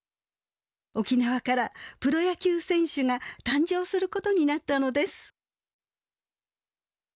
沖縄からプロ野球選手が誕生することになったのです。